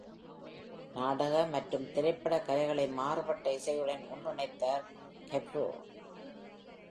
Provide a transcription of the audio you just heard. நாடக மற்றும் திரைப்பட கலைகளை மாறுபட்ட இசையுடன் ஒன்றிணைத்தார் Kaprow.